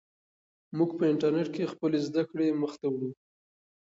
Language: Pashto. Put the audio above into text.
موږ په انټرنیټ کې خپلې زده کړې مخ ته وړو.